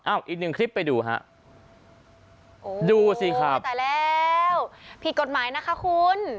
อ้าวอีกนึงคลิปไปดูฮะดูสิครับเอ้าววโหยโตะแล้วผิดกฎหมายนะคะคุณ